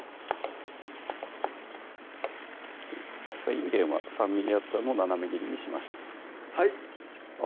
いんげんは３ｍｍ厚さの斜め切りにしましたはい！